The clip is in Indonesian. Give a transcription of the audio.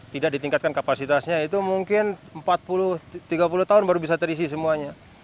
tidak ditingkatkan kapasitasnya itu mungkin tiga puluh tahun baru bisa terisi semuanya